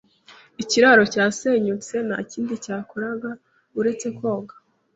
Ikiraro cyasenyutse, ntakindi cyakoraga uretse koga.